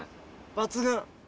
抜群。